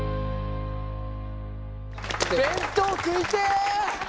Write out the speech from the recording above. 弁当食いてえ！